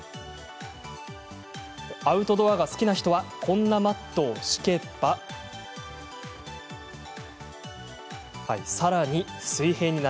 アウトドアが好きな人はこんなマットを敷けばさらに水平に。